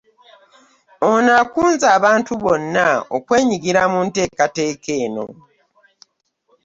Ono akunze abantu bonna okwenyigira mu nteekateeka eno